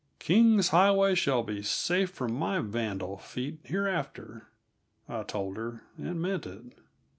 "King's Highway shall be safe from my vandal feet hereafter," I told her, and meant it.